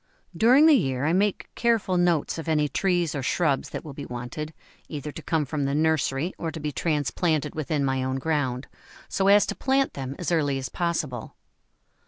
During the year I make careful notes of any trees or shrubs that will be wanted, either to come from the nursery or to be transplanted within my own ground, so as to plant them as early as possible.